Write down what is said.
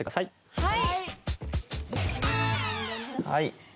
はい。